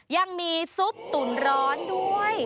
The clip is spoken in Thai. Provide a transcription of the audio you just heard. ยังมีซุปตุ๋นร้อนด้วย